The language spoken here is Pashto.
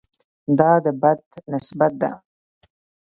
دا د بد نسبت ده.